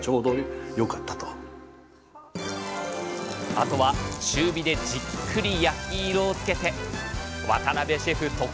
あとは中火でじっくり焼き色をつけて渡邊シェフ特製ハンバーグ！